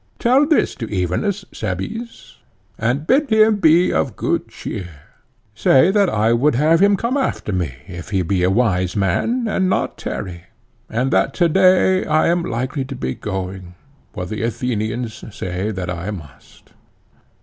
Tell this to Evenus, Cebes, and bid him be of good cheer; say that I would have him come after me if he be a wise man, and not tarry; and that to day I am likely to be going, for the Athenians say that I must.